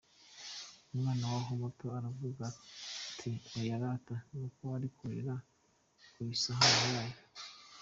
Umwana waho muto aravuga ati"Oya rata, nuko uri kurira ku isahani yayo".